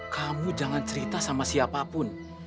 kamu jangan cerita sama siapapun